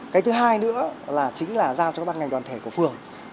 cái thứ hai nữa là chính là giao cho các ban ngành đoàn thể của phường